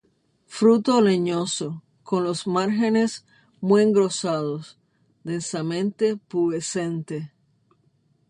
Fruto leñoso, con los márgenes muy engrosados, densamente pubescente.